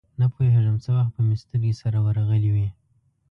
نپوهېږم څه وخت به مې سترګې سره ورغلې وې.